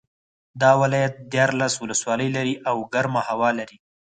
دا ولایت دیارلس ولسوالۍ لري او ګرمه هوا لري